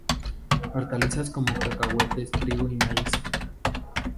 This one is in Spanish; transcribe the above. Hortalizas como cacahuetes, trigo y maíz.